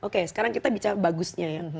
oke sekarang kita bicara bagusnya ya